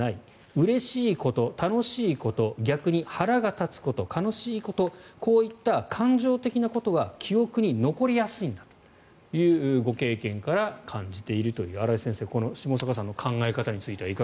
うれしいこと、楽しいこと逆に腹が立つこと悲しいことこういった感情的なことは記憶に残りやすいんだというご経験から感じているという新井先生下坂さんの考え方については。